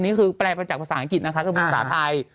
นี่คือแปลเป็นจากภาษาหังกิษนะคะปุ่มศาสตร์ไทย